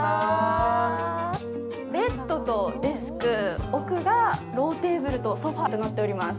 ベッドとデスク、奥がローテーブルと、ソファーとなっています。